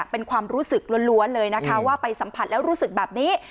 เป็นความรู้สึกล้วนเลยนะคะว่าไปสัมผัสแล้วรู้สึกแบบนี้